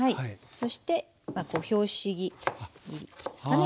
そして拍子木切りですかね